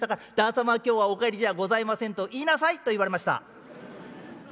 様は今日はお帰りじゃございませんと言いなさいと言われました」。